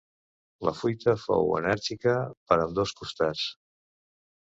La lluita fou enèrgica per ambdós costats.